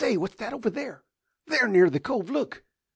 What's that over there there near the Cove? Look!